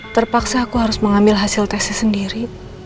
terpaksa aku harus mengambil hasil tesnya sendiri